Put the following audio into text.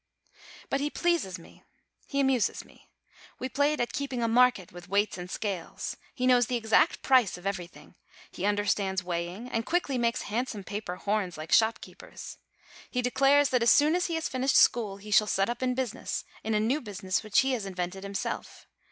But he pleases me; he amuses me. We played at keeping a market, with weights and scales. He knows the exact price of everything; he understands weigh ing, and quickly makes handsome paper horns, like shopkeepers. He declares that as soon as he has finished school he shall set up in business in a new business which he has invented himself.